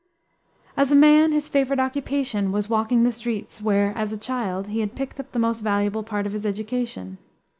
As a man, his favorite occupation was walking the streets, where, as a child, he had picked up the most valuable part of his education.